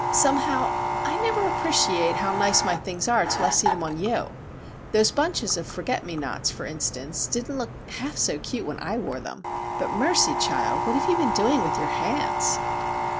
"Somehow, I never appreciate how nice my things are till I see them on you. Those bunches of forget me nots, for instance, didn't look half so cute when I wore them. But, mercy, child—what have you been doing with your hands?"